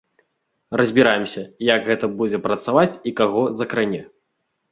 Разбіраемся, як гэта будзе працаваць і каго закране.